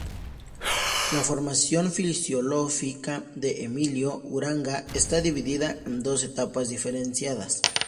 La formación filosófica de Emilio Uranga está dividida en dos etapas diferenciadas.